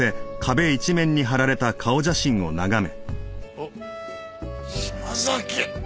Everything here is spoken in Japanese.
おっ島崎。